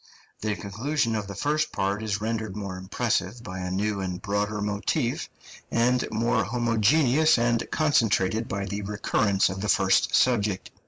The conclusion of the first part is rendered more impressive by a new and broader motif, and more homogeneous and concentrated by the recurrence of the first subject.